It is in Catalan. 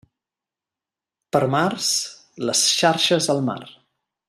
Per març, les xarxes al mar.